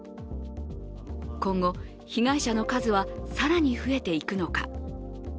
今後、被害者の数は更に増えていくのか。